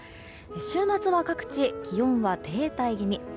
週末は各地、気温は停滞気味。